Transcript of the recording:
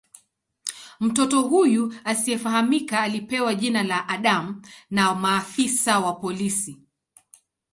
Mtoto huyu asiyefahamika alipewa jina la "Adam" na maafisa wa polisi.